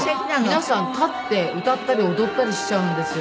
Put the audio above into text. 皆さん立って歌ったり踊ったりしちゃうんですよ